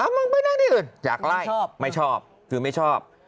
มึงไปนั่งที่อื่นอยากไล่ชอบไม่ชอบคือไม่ชอบ